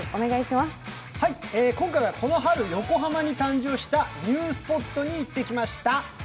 今回はこの春、横浜に誕生したニュースポットに行ってきました。